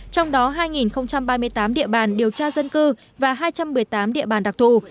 trong đó hai ba mươi tám địa bàn điều tra dân cư và hai trăm một mươi tám địa bàn đặc thù